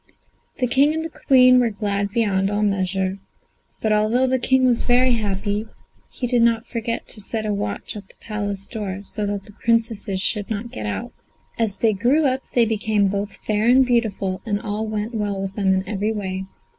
The King and Queen were glad beyond all measure; but although the King was very happy, he did not forget to set a watch at the Palace door, so that the Princesses should not get out. As they grew up they became both fair and beautiful, and all went well with them in every way.